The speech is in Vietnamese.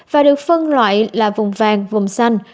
và được phân loại là vùng vàng vùng xanh